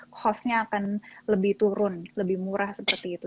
cost nya akan lebih turun lebih murah seperti itu